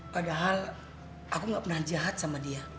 padahal aku gak pernah jahat sama dia